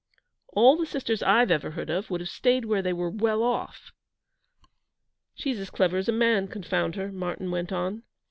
'All the sisters I've ever heard of would have stayed where they were well off.' 'She's as clever as a man, confound her,' Martyn went on.